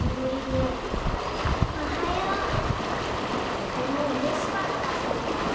［とてもうれしかったそうだ］